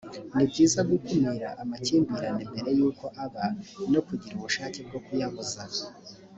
ni byiza gukumira amakimbirane mbere yuko aba no kugira ubushake bwo kuyabuza